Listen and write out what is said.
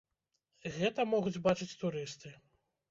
Гэта могуць бачыць турысты.